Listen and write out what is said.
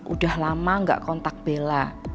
udah lama gak kontak bela